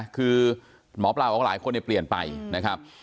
คือหมอปลาของหลายคนเปลี่ยนไปนะครับ